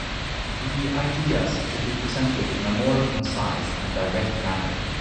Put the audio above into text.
The ideas should be presented in a more concise and direct manner.